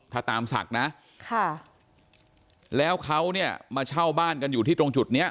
ถ้าตามศักดิ์นะค่ะแล้วเขาเนี่ยมาเช่าบ้านกันอยู่ที่ตรงจุดเนี้ย